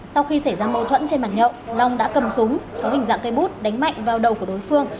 sau khi xảy ra mâu thuẫn trên bàn nhậu long đã cầm súng có hình dạng cây bút đánh mạnh vào đầu của đối phương